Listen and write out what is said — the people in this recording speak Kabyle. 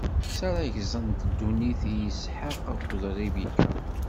Ssareẓgent ddunit i Isḥaq akked Ribika.